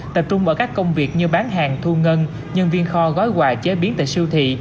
tập trung vào các công việc như bán hàng thu ngân nhân viên kho gói quà chế biến tại siêu thị